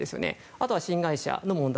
あとは新会社の問題